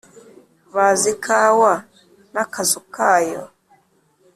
Bazi ikawa n'akazu kayo